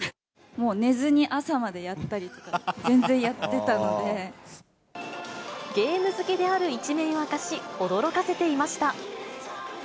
もう、寝ずに朝までやったりゲーム好きである一面を明かし、驚かせていました。